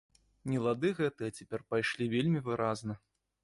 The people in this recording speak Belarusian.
Нелады гэтыя цяпер пайшлі вельмі выразна.